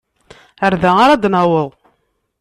Ɣer da ara d-naweḍ.